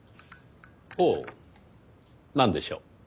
ほうなんでしょう？